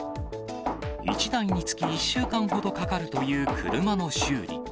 １台につき、１週間ほどかかるという車の修理。